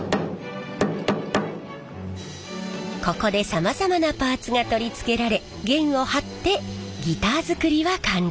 ここでさまざまなパーツが取り付けられ弦を張ってギター作りは完了。